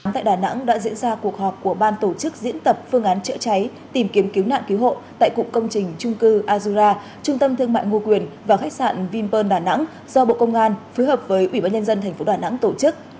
tại đà nẵng đã diễn ra cuộc họp của ban tổ chức diễn tập phương án chữa cháy tìm kiếm cứu nạn cứu hộ tại cục công trình trung cư azura trung tâm thương mại nguồn quyền và khách sạn vinpearl đà nẵng do bộ công an phối hợp với ubnd tp đà nẵng tổ chức